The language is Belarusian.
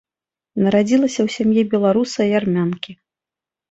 Нарадзілася ў сям'і беларуса і армянкі.